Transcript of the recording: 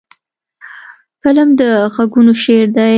فلم د غږونو شعر دی